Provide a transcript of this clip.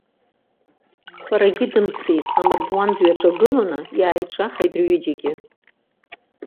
Харагьы дымцеит, амардуан дҩаҿагылоны, иааиҿаҳаит рҩыџьегьы.